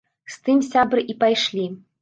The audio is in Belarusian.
З тым сябры і пайшлі.